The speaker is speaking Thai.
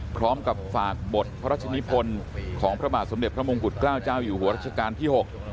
พร้อมกับฝากบทพระราชนิพลของพระบาทสมเด็จพระมงกุฎเกล้าเจ้าอยู่หัวรัชกาลที่๖